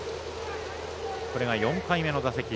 これが４回目の打席。